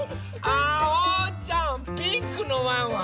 あおうちゃんピンクのワンワン？